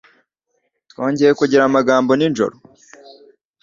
Twongeye kugira amagambo nijoro.